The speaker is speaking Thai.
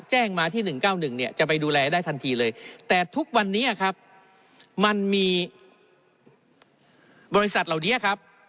แจ้งมาที่๑๙๑เนี่ยจะไปดูแลได้ทันทีเลยแต่ทุกวันนี้ครับมันมีบริษัทเหล่านี้ครับ